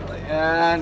oh ya kan